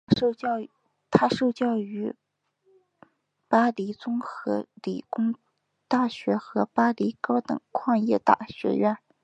他受教育于巴黎综合理工大学和巴黎高等矿业学院。